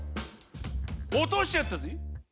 落としちゃったぜ。